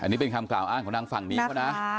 อันนี้เป็นคำกล่าวอ้างของทางฝั่งนี้เขานะ